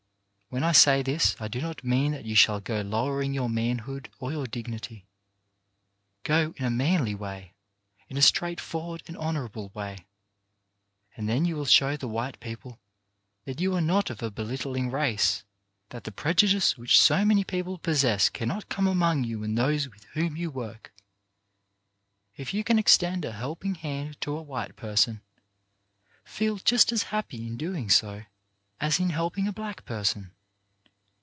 When I say this I do not mean that you shall go lowering your manhood or your dignity. Go in a manly way, in a straightforward and honourable way, and then you will show the white people that you are not of a belittling race, that the prejudice which so many people possess can not come among you and those with whom you work. If you can extend a helping hand to a white person, feel just as happy in doing so as in helping a black person.